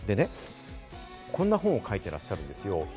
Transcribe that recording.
でね、こんな本を書いてらっしゃるんですよ。